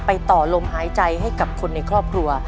ต่อลมหายใจให้กับคนในครอบครัว